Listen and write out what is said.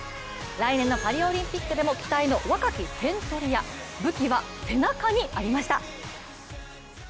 来年のパリオリンピックでも期待の若き点取り屋、武器は背中にありました。